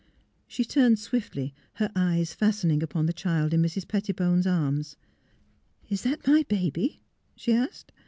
She turned swiftly — her eyes fastening upon the child in Mrs. Pet tibone 's arms. Is that my baby? " she asked.